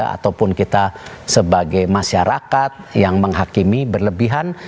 ataupun kita sebagai masyarakat yang menghakimi berlebihan